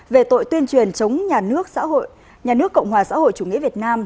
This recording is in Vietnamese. về tội tuyên truyền chống nhà nước cộng hòa xã hội chủ nghĩa việt nam